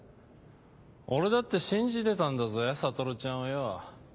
俺だって信じてたんだぜ悟ちゃんをよ。